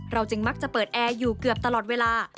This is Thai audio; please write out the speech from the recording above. จึงมักจะเปิดแอร์อยู่เกือบตลอดเวลา